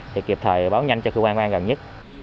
thì kịp thời báo nhanh cho cơ quan quan gần nhất